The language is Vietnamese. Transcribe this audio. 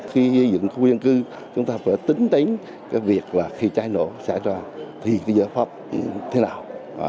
khi dựng khu dân cư chúng ta phải tính tính cái việc là khi cháy nổ xảy ra thì cái giới pháp thế nào